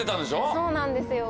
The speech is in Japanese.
そうなんですよ。